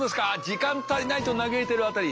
時間足りないと嘆いてる辺り。